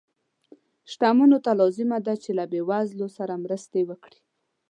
شتمنو ته لازمه ده چې له بې وزلو سره مرستې وکړي.